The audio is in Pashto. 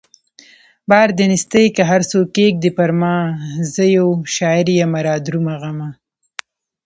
بار د نيستۍ که هر څو کښېږدې پرما زه يو شاعر يمه رادرومه غمه